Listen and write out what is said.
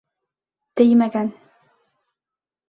Теймәгән!